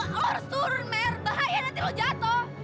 lo harus turun mer bahaya nanti lo jatuh